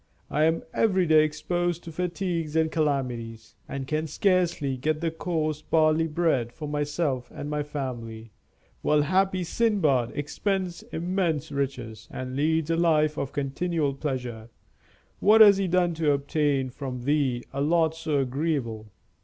I am every day exposed to fatigues and calamities, and can scarcely get coarse barley bread for myself and my family, while happy Sindbad expends immense riches, and leads a life of continual pleasure. What has he done to obtain from Thee a lot so agreeable?